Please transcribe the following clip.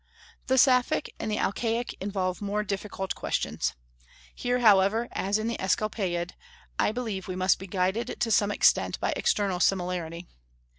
The Sapphic and the Alcaic involve more difficult questions. Here, however, as in the Asclepiad, I believe we must be guided, to some extent, by external similarity.